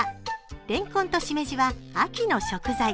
レンコンとしめじは秋の食材。